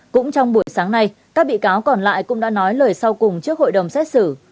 cũng trong buổi sáng nay các bị cáo còn lại cũng đã nói lời sau cùng trước hội đồng xét xử